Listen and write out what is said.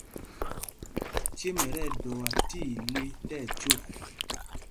Cêm ɛ tí ɛdɔa tí ile tí ɛcyɔk.